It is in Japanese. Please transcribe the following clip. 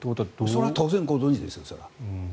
それは当然ご存じですよ。